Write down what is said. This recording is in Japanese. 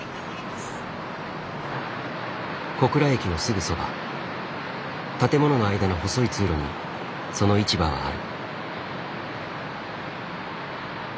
小倉駅のすぐそば建物の間の細い通路にその市場はある。